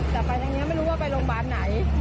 แต่ไปทางนี้ไม่รู้ว่าไปโรงพยาบาลไหน